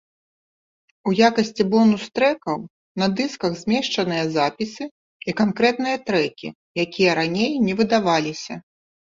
У якасці бонус-трэкаў на дысках змешчаныя запісы і канкрэтныя трэкі, якія раней не выдаваліся.